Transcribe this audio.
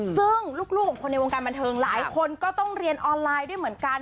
ซึ่งลูกของคนในวงการบันเทิงหลายคนก็ต้องเรียนออนไลน์ด้วยเหมือนกัน